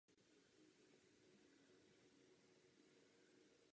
Ludmila Konečná se v Brně angažovala politicky i v sociální oblasti.